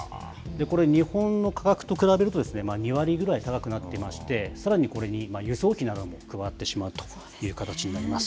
これ、日本の価格と比べると、２割ぐらい高くなっていまして、さらにこれに輸送費なども加わってしまうという形になります。